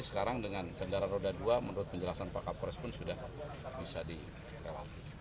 sekarang dengan kendaraan roda dua menurut penjelasan pak kapolres pun sudah bisa dilewati